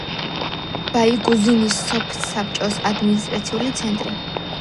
ბაიგუზინის სოფსაბჭოს ადმინისტრაციული ცენტრი.